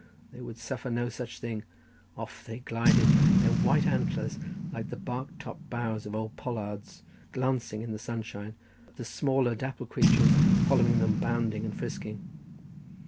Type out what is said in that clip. they would suffer no such thing; off they glided, their white antlers, like the barked top boughs of old pollards, glancing in the sunshine, the smaller dappled creatures following them bounding and frisking.